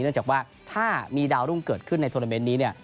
เนื่องจากว่าถ้ามีดาวรุ่งเกิดขึ้นในโทรเมนต์นี้เนี่ย